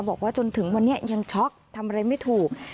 บอกว่าจนถึงวันนี้ยังช็อกทำอะไรไม่ถูก